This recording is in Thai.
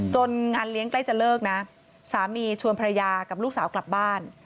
งานเลี้ยงใกล้จะเลิกนะสามีชวนภรรยากับลูกสาวกลับบ้าน